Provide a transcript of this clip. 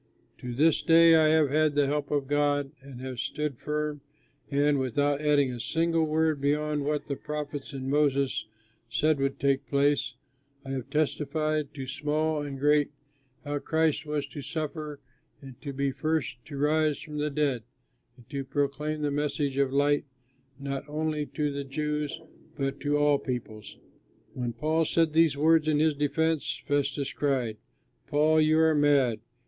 To this day I have had the help of God and have stood firm and, without adding a single word beyond what the prophets and Moses said would take place, I have testified to small and great how the Christ was to suffer and to be the first to rise from the dead and to proclaim the message of light not only to the Jews but to all peoples." When Paul said these words in his defense, Festus cried, "Paul, you are mad!